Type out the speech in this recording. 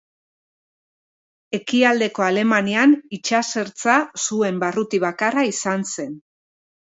Ekialdeko Alemanian itsasertza zuen barruti bakarra izan zen.